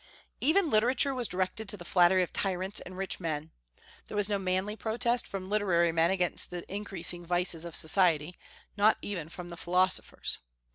Even literature was directed to the flattery of tyrants and rich men. There was no manly protest from literary men against the increasing vices of society, not even from the philosophers.